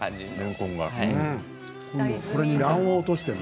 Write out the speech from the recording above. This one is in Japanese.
ここに卵黄を落としても。